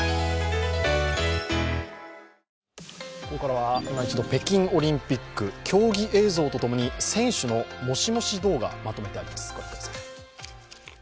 ここからは、いま一度北京オリンピック、競技映像とともに選手のもしもし動画、まとめてあります。